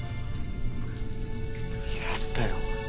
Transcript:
やったよ。